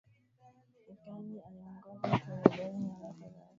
vikali aliongozwa kuihubiri Nyaraka zake zinatuonyesha jinsi gani